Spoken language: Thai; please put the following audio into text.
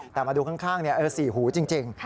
แต่มาดูข้างสี่หูจริง